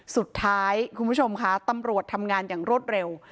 คุณผู้ชมค่ะตำรวจทำงานอย่างรวดเร็ว